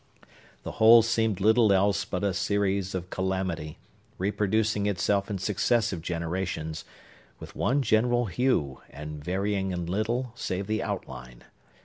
The whole seemed little else but a series of calamity, reproducing itself in successive generations, with one general hue, and varying in little, save the outline.